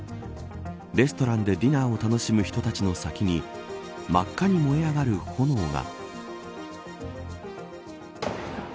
レストランでディナーを楽しむ人たちの先に真っ赤に燃え上がる炎が。